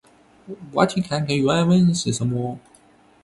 我去看看原文是什么。